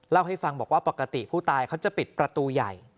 เล่าให้ฟังบอกว่าปกติผู้ตายเขาจะปิดประตูใหญ่